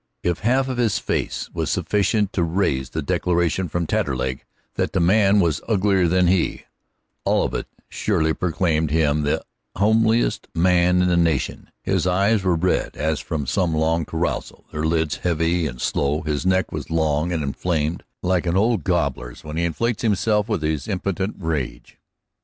If half his face was sufficient to raise the declaration from Taterleg that the man was uglier than he, all of it surely proclaimed him the homeliest man in the nation. His eyes were red, as from some long carousal, their lids heavy and slow, his neck was long, and inflamed like an old gobbler's when he inflates himself with his impotent rage.